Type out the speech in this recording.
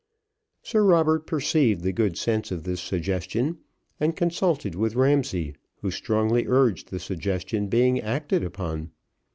Sir Robert perceived the good sense of this suggestion, and consulted with Ramsay, who strongly urged the suggestion being acted upon.